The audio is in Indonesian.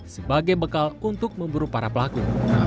sebagai bekal untuk memburu para pelaku